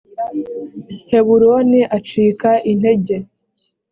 heburoni acika intege